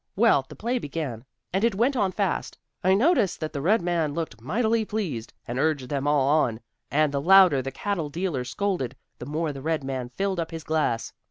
Well, the play began, and it went on fast. I noticed that the red man looked mightily pleased, and urged them all on, and the louder the cattle dealer scolded, the more the red man filled up his glass.